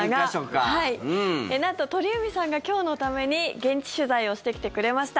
なんと、鳥海さんが今日のために現地取材をしてきてくれました。